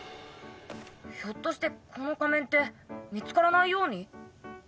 ひょっとしてこの仮面って見付からないように？